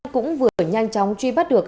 cũng vừa nhanh chóng truy bắt được